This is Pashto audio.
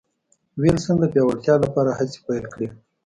وېلسن د پیاوړتیا لپاره هڅې پیل کړې.